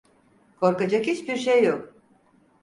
Korkacak hiçbir şey yok.